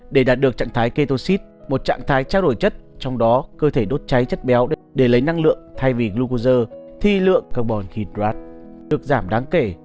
để đạt được trạng thái ketoxid một trạng thái trao đổi chất trong đó cơ thể đốt cháy chất béo để lấy năng lượng thay vì glugozer thì lượng carbon hydrate được giảm đáng kể